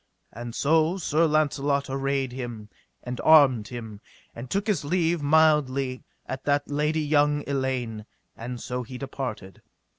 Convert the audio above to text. And so Sir Launcelot arrayed him, and armed him, and took his leave mildly at that lady young Elaine, and so he departed.